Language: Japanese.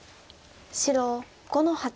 白５の八。